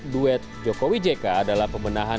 duet jokowi jk adalah pembenahan